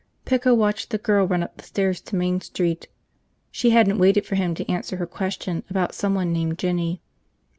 Pico watched the girl run up the stairs to Main Street. She hadn't waited for him to answer her question about someone named Jinny.